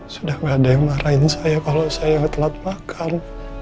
sudah gak ada yang marahin saya kalau saya ngetelad makan